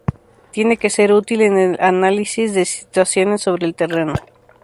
Tiene que ser útil en el análisis de situaciones sobre el terreno.